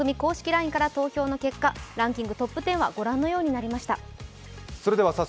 ＬＩＮＥで投票の結果、ランキングトップ１０はご覧のようになりました。